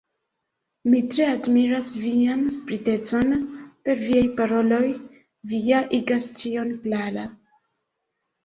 Mi tre admiras vian spritecon; per viaj paroloj vi ja igas ĉion klara.